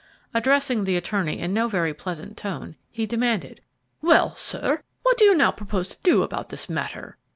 Addressing the attorney in no very pleasant tone, he demanded, "Well, sir, what do you now propose to do about this matter?"